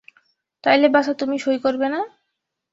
তাইলে বাছা তুমি সঁই করবে না?